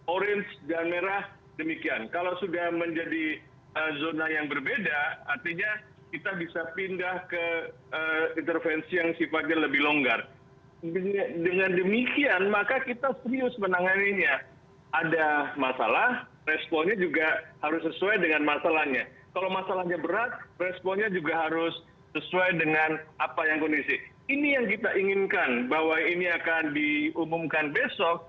oke ini yang kita inginkan bahwa ini akan diumumkan besok